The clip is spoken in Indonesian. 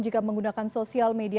jika menggunakan sosial media